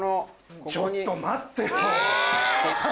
ちょっと待って。